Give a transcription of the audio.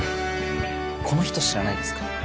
この人知らないですか？